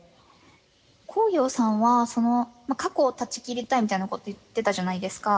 こうようさんは過去を断ち切りたいみたいなこと言ってたじゃないですか。